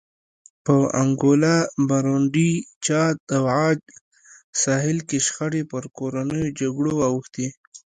په انګولا، برونډي، چاد او عاج ساحل کې شخړې پر کورنیو جګړو واوښتې.